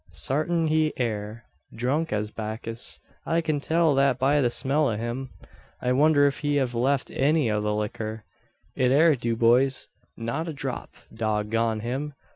Sartin he air drunk as Backis. I kin tell that by the smell o' him. I wonder if he hev left any o' the licker? It air dewbious. Not a drop, dog gone him!